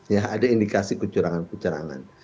ya ada indikasi kecurangan kecurangan